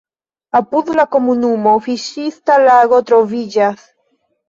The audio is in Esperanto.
Apud la komunumo fiŝista lago troviĝas.